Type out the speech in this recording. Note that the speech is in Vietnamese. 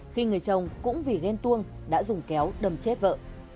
khi người chồng cũng vì ghen tuông đã dùng kéo đâm chết vợ